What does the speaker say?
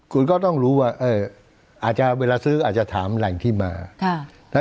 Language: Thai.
คุณก็ต้องรู้ว่าอาจจะเวลาซื้ออาจจะถามแหล่งที่มา